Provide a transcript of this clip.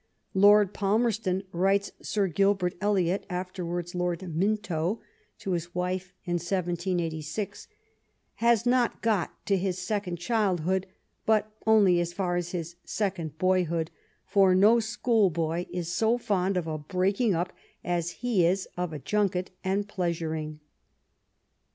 *' Lord Palmerston," writes Sir Gilbert Elliot, afterwards Lord Minto, to his wife in 1786, " has not got to his second childhood, but only as far as his second boyhood, for no school boy is so fond of a breaking up as he is of a junket and pleasuring."